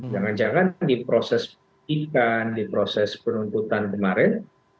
jangan jangan di proses penyidikan di proses penuntutan kemarin